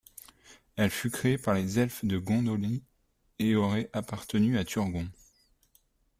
Elle fut créée par les elfes de Gondolin, et aurait appartenu à Turgon.